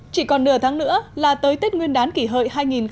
chỉ còn nửa tháng nữa là tới tết nguyên đán kỷ hợi hai nghìn một mươi chín